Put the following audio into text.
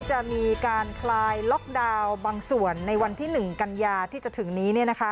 จะมีการคลายล็อกดาวน์บางส่วนในวันที่๑กันยาที่จะถึงนี้